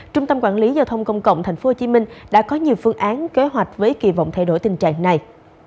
trung tâm quản lý giao thông công cộng tp hcm đã có nhiều phương án kế hoạch với kỳ vọng thay đổi tình trạng này